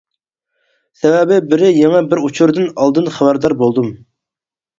سەۋەبى، بىرى يېڭى بىر ئۇچۇردىن ئالدىن خەۋەردار بولدۇم.